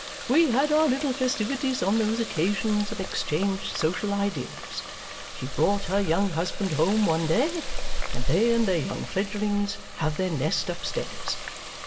We had our little festivities on those occasions and exchanged social ideas. She brought her young husband home one day, and they and their young fledglings have their nest upstairs.